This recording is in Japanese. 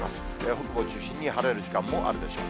北部を中心に晴れる時間もあるでしょう。